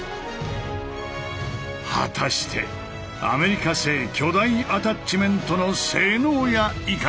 果たしてアメリカ製巨大アタッチメントの性能やいかに？